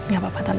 gak apa apa tante